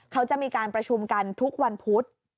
เขาจะมีการประชุมกันทุกวันพุธ